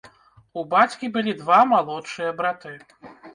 У бацькі былі два малодшыя браты.